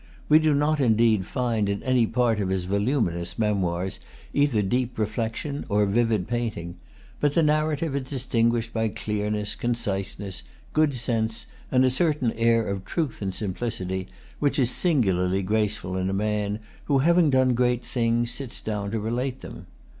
We do not indeed find in any part of his voluminous Memoirs either deep reflection or vivid painting. But the narrative is distinguished by clearness, conciseness, good sense, and a certain air of truth and simplicity, which is singularly graceful in a man who, having done great things, sits down to relate them.